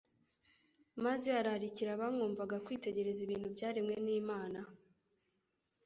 maze ararikira abamwumvaga kwitegereza ibintu byaremwe n'Imana.